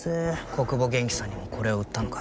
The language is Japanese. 小久保元気さんにもこれを売ったのか？